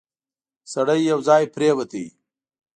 سړی یو ځای پرېووت.